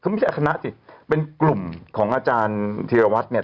ไม่ใช่เอาคณะสิเป็นกลุ่มของอาจารย์ธีรวัตรเนี่ย